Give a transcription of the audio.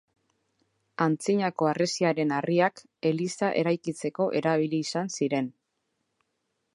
Antzinako harresien harriak eliza eraikitzeko erabili izan ziren.